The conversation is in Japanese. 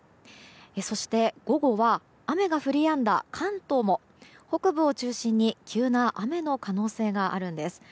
そして午後は雨が降りやんだ関東も北部を中心に急な雨の可能性があるんです。